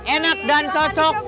enak dan cocok